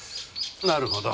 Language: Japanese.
なるほど。